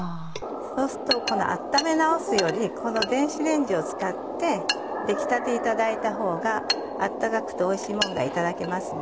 そうすると温め直すよりこの電子レンジを使って出来たていただいた方が温かくておいしいものがいただけますね。